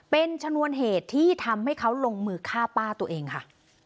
เป็นชนวนเหตุที่ทำให้เขาลงมือฆ่าป้าตัวเองค่ะ